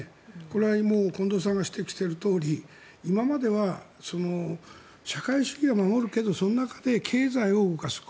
これは近藤さんが指摘しているとおり今までは社会主義は守るけれどその中で経済を動かす。